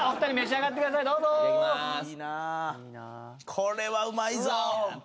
これはうまいぞ。